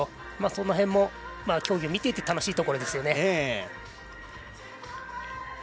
その辺も競技を見ていて楽しいところですよね。